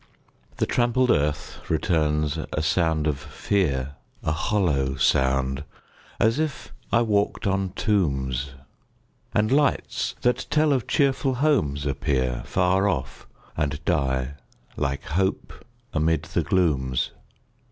The trampled earth returns a sound of fear A hollow sound, as if I walked on tombs! And lights, that tell of cheerful homes, appear Far off, and die like hope amid the glooms.